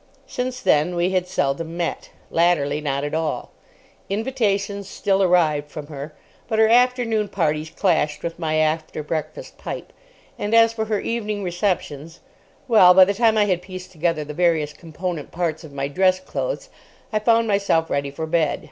Since then we had seldom met. Latterly, not at all. Invitations still arrived from her, but her afternoon parties clashed with my after breakfast pipe, and as for her evening receptions—well, by the time I had pieced together the various component parts of my dress clothes, I found myself ready for bed.